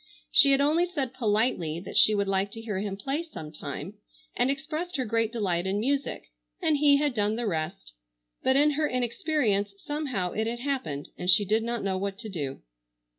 She had only said politely that she would like to hear him play sometime, and expressed her great delight in music, and he had done the rest, but in her inexperience somehow it had happened and she did not know what to do.